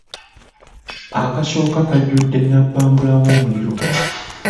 Akasooka kajjudde nnabbambula w'omuliro.